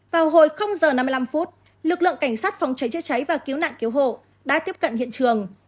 vào hồi h năm mươi năm lực lượng cảnh sát phòng cháy chữa cháy và cứu nạn cứu hộ đã tiếp cận hiện trường